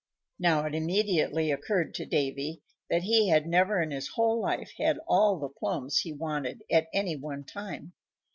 Now, it immediately occurred to Davy that he had never in his whole life had all the plums he wanted at any one time.